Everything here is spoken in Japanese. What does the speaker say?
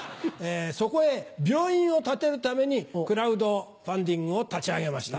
そこへ病院を建てるためにクラウドファンディングを立ち上げました。